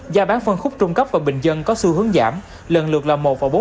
gia bán phân khúc trung cấp và bình dân có xu hướng giảm lần lượt là một bốn